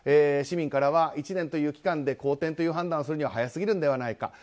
市民からは、１年という期間で好転という判断をするには早すぎるのではないか。